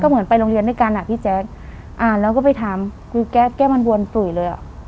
เหมือนไปโรงเรียนด้วยกันอ่ะพี่แจ๊คอ่านแล้วก็ไปถามกูแก้แก้มันบวนตุ๋ยเลยอ่ะ